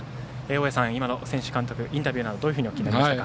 大矢さん、今の選手、監督のインタビューどうお聞きでした？